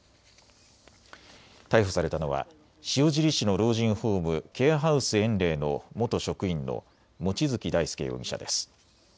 逮捕されたのは塩尻市の老人ホーム、ケアハウスえんれいの元職員の望月大輔容疑者です。